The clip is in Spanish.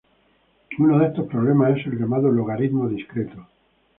Uno de estos problemas es el llamado logaritmo discreto.